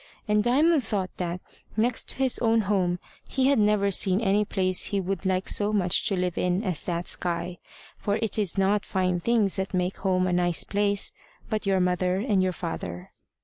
And Diamond thought that, next to his own home, he had never seen any place he would like so much to live in as that sky. For it is not fine things that make home a nice place, but your mother and your father.